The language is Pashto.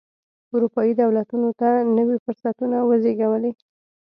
اروپايي دولتونو ته نوي فرصتونه وزېږولې.